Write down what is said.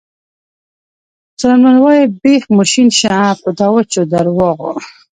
مسلمانان وایي بیخ مو شین شه په دا وچو درواغو.